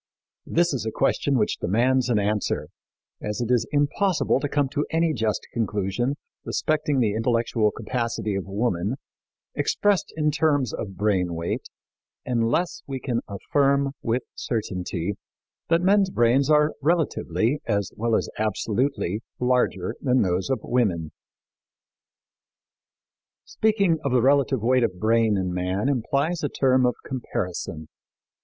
This is a question which demands an answer, as it is impossible to come to any just conclusion respecting the intellectual capacity of woman expressed in terms of brain weight, unless we can affirm with certainty that men's brains are relatively, as well as absolutely, larger than those of women. Speaking of the relative weight of brain in man implies a term of comparison.